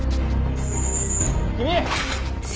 君！